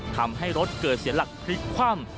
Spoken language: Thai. ทำให้รถเกิดเสียหลักพลิกคว่ำ